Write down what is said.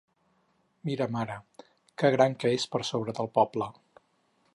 Mira, mare, què gran que és per sobre del poble!